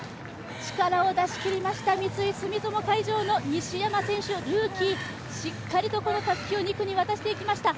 力を出し切りました、三井住友海上の西山選手、ルーキー、しっかりとたすきを２区に渡しました。